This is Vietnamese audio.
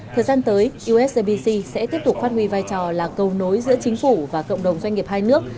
thời gian tới usbc sẽ tiếp tục phát huy vai trò là cầu nối giữa chính phủ và cộng đồng doanh nghiệp hai nước